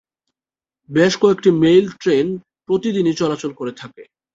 বেশ কয়েকটি mail train প্রতিদিনই চলাচল করে থাকে।